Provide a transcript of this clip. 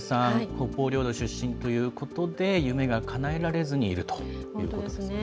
北方領土出身ということで夢がかなえられずにいるということなんですね。